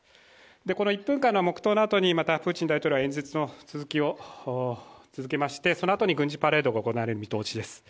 この１分間の黙とうのあとにまたプーチン大統領は演説の続きを続けまして、そのあとに軍事パレードが行われる見通しです。